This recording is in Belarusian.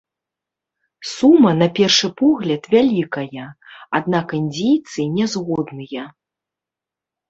Сума, на першы погляд, вялікая, аднак індзейцы не згодныя.